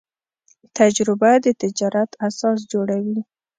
تجربه د تجارت اساس جوړوي.